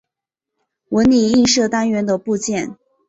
纹理映射单元的部件。